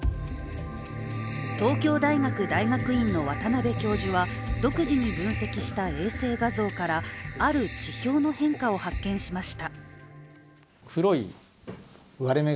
東京大学大学院の渡邉教授は独自に分析した衛星画像からある地表の変化を発見しました。